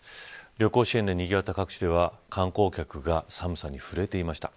旅行支援でにぎわった各地では観光客が寒さに震えていました。